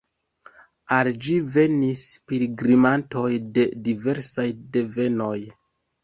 Al ĝi venis pilgrimantoj de diversaj devenoj.